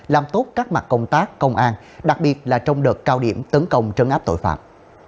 làm tốt các mặt công tác công an đặc biệt là trong đợt cao điểm tấn công trấn áp tội phạm